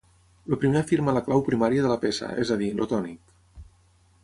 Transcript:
El primer afirma la clau primària de la peça, és a dir, el tònic.